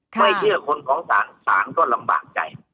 ไม่เชื่อคนของสารศาลก็ลำบากใจ